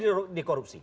itu pun dikorupsi